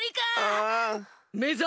めざ！